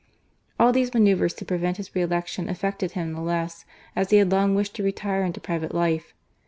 All these manoeuvres to prevent his re election affected him the less, as he had long wished to retire into private life.